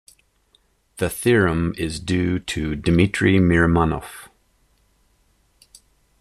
The theorem is due to Dmitry Mirimanoff.